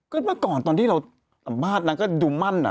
ก็เมื่อก่อนตอนที่เราสัมภาษณ์นางก็ดูมั่นอ่ะ